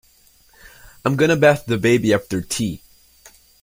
I'm going to bath the baby after tea